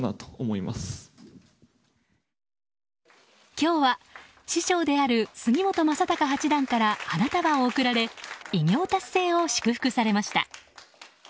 今日は師匠である杉本昌隆八段から花束を贈られ偉業達成を祝福されました。